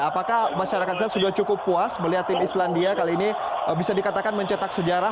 apakah masyarakat sudah cukup puas melihat tim islandia kali ini bisa dikatakan mencetak sejarah